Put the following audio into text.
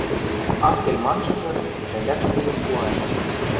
Ак кел маншыжы кӓндӓкш пудым пуа ыльы...